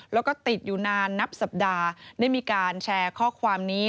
แล้วก็ติดอยู่นานนับสัปดาห์ได้มีการแชร์ข้อความนี้